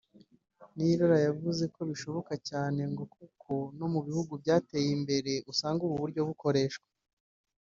Niyirora yavuze ko bishoboka cyane ngo kuko no mu bihugu byateye imbere usanga uburyo nk’ubu bukoreshwa